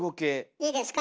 いいですか？